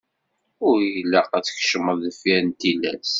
Ur ilaq ad d-tkecmeḍ deffir n tillas.